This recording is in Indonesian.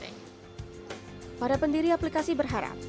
pada pendiri aplikasi berharap staksindo juga memiliki aplikasi yang berbeda